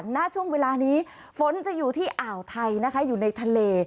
ณช่วงเวลานี้ฝนจะอยู่ที่อ่าวไทยนะคะอยู่ในทะเล